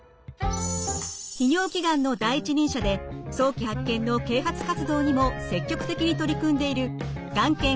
泌尿器がんの第一人者で早期発見の啓発活動にも積極的に取り組んでいるがん研